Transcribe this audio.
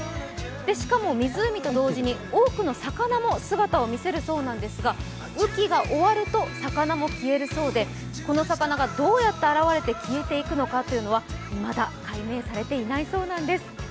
しかも湖と同時に多くの魚も姿を見せるそうなんですが雨季が終わると魚も消えるそうでこの魚がどうやって現れて消えていくのかというのはいまだ解明されていないそうなんです。